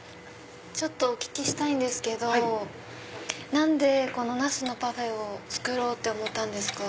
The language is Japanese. ちょっとお聞きしたいんですけど何でこの茄子のパフェを作ろうって思ったんですか？